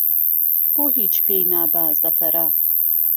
بۆ هیچ پێی نابا زەفەرە